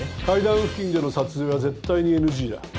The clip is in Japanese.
階段付近での撮影は絶対にＮＧだ。